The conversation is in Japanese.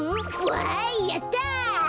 わいやった。